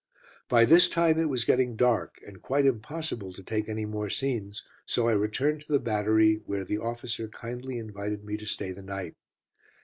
By this time it was getting dark, and quite impossible to take any more scenes, so I returned to the battery, where the officer kindly invited me to stay the night.